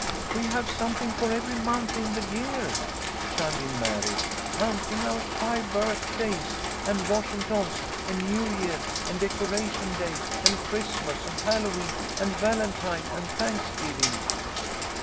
"We have something for every month in the year," chimed in Mary, "counting our five birth days and Washington's, and New Year and Deco ration Day and Christmas and Hallowe'en and Valentine and Thanksgiving."